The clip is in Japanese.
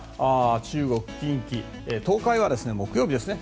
中国、近畿、東海は木曜日ですね。